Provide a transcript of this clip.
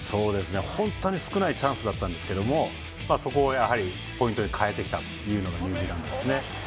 本当に少ないチャンスだったんですけどそこをポイントに変えてきたのがニュージーランドですね。